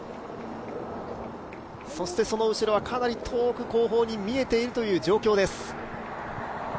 その後ろは、かなり遠く後方に見えているという状況です。